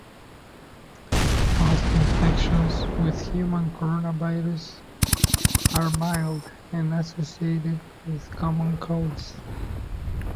Most infections with human coronaviruses are mild and associated with common colds.